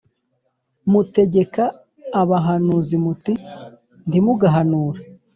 mutegeka abahanuzi muti ‘Ntimugahanure.